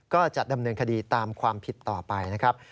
ก็จะดำเนินคดีตามความผิดต่อไปนะครับ